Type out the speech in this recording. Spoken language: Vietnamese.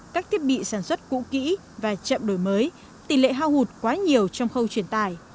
các thiết bị sản xuất cũ kỹ và chậm đổi mới tỷ lệ hao hụt quá nhiều trong khâu truyền tải